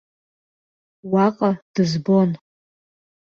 Уаҟа дызбон.